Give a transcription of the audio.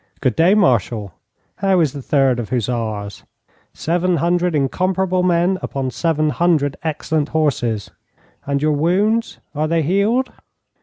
'Good day, Marshal.' 'How is the Third of Hussars?' 'Seven hundred incomparable men upon seven hundred excellent horses.' 'And your wounds are they healed?'